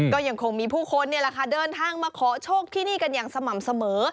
ก็ยังคงมีผู้คนนี่แหละค่ะเดินทางมาขอโชคที่นี่กันอย่างสม่ำเสมอ